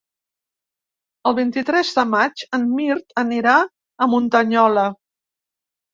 El vint-i-tres de maig en Mirt anirà a Muntanyola.